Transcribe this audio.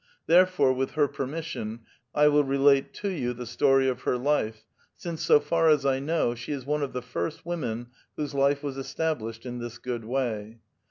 Therefore, with her permission, 1 will relat^i to you the story of her life, since, so far iis I know, she is one of the first women whose life was establislied in this good way.